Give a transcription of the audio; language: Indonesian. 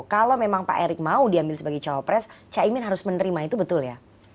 kalau memang pak erick mau diambil sebagai cawapres caimin harus menerima itu betul ya